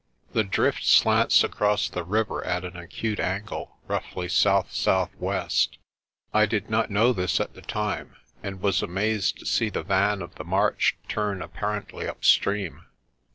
The drift slants across the river at an acute angle, roughly S.S.W. I did not know this at the time, and was amazed to see the van of the march turn apparently upstream.